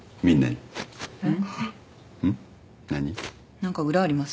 何か裏あります？